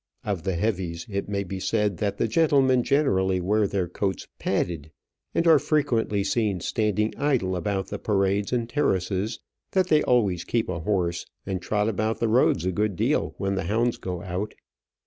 Of the heavies, it may be said that the gentlemen generally wear their coats padded, are frequently seen standing idle about the parades and terraces, that they always keep a horse, and trot about the roads a good deal when the hounds go out.